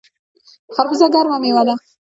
خربوزه ګرمه میوه ده